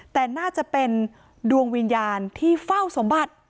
แต่น่าจะเป็นดวงวิญญาณที่เฝ้าสมบัติ